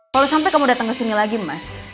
kalo sampe kamu dateng kesini lagi mas